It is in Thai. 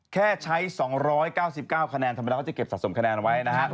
และใช้ต้องรอยก้าวกรีดวให้โคมแบ